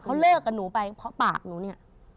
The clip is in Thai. เขาเลิกกับหนูไปเพราะปากหนูเนี่ย